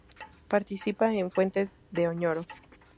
Participa en Fuentes de Oñoro.